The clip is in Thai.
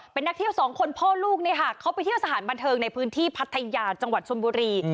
เป็นนักเที่ยวสองคนพ่อลูกเนี่ยค่ะเขาไปเที่ยวสถานบันเทิงในพื้นที่พัทยาจังหวัดชนบุรี